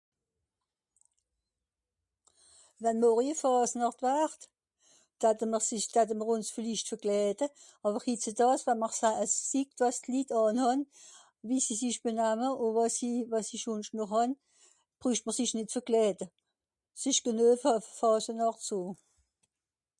wann morje faasnàcht wart datte mr sich datte mr ùns villicht verkläde àwer hitzeudeus wa mr sahn .... wàs d'lit àhn hàn wie sie sich benahme o wàs'i wàs'isch schònscht nòr hàn brüsch mr sich nìt so kläde s'isch geneu fà faasenàcht à so